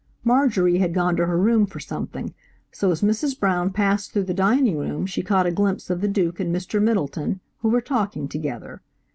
Marjorie had gone to her room for something, so as Mrs. Brown passed through the dining room she caught a glimpse of the Duke and Mr. Middleton, who were talking together.